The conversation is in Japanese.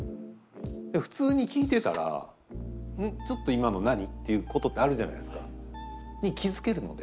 普通に聞いてたら「ん？ちょっと今の何？」っていうことってあるじゃないですかに気付けるので。